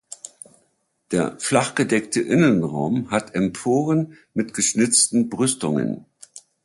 Der flachgedeckte Innenraum hat Emporen mit geschnitzten Brüstungen.